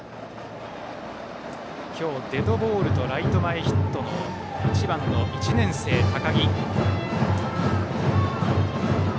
今日、デッドボールとライト前ヒットの１番の１年生、高木。